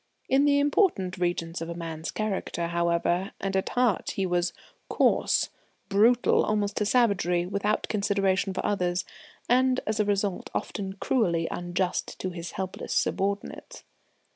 In the important regions of a man's character, however, and at heart, he was coarse, brutal almost to savagery, without consideration for others, and as a result often cruelly unjust to his helpless subordinates.